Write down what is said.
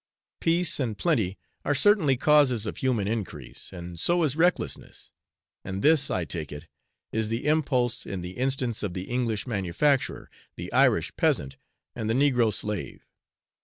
Peace and plenty are certainly causes of human increase, and so is recklessness; and this, I take it, is the impulse in the instance of the English manufacturer, the Irish peasant, and the negro slave.